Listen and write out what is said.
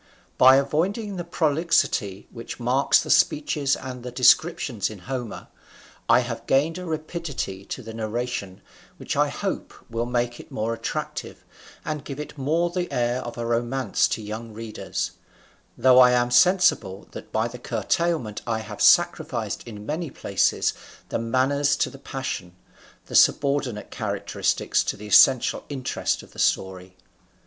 By avoiding the prolixity which marks the speeches and the descriptions in Homer, I have gained a rapidity to the narration which I hope will make it more attractive and give it more the air of a romance to young readers, though I am sensible that by the curtailment I have sacrificed in many places the manners to the passion, the subordinate characteristics to the essential interest of the story.